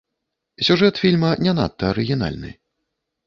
Сюжэт фільма не надта арыгінальны.